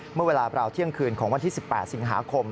เมื่อเวลาเที่ยงคืนของวันที่๑๘สิงหาคม